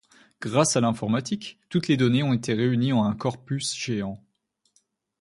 Grâce à l’informatique, toutes les données ont été réunies en un corpus géant.